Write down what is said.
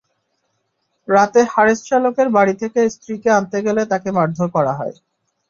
রাতে হারেছ শ্যালকের বাড়ি থেকে স্ত্রীকে আনতে গেলে তাঁকে মারধর করা হয়।